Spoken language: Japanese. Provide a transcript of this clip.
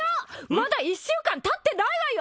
まだ一週間たってないわよ